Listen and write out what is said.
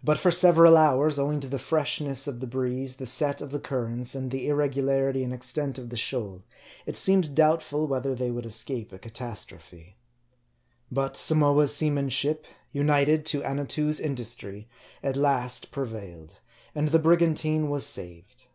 But for several hours, owing to the freshness of the breeze, the set of the currents, and the irregularity and ex MARDT. 101 tent of the shoal, it seemed doubtful whether they would escape a catastrophe. But Samoa's seamanship, united to Annatoo's industry, at last prevailed ; and the brigantine was saved.